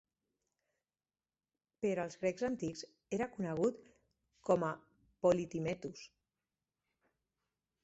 Per als grecs antics era conegut com a Polytimetus.